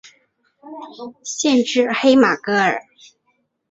县治黑马戈尔。